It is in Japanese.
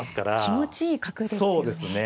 気持ちいい角ですよね。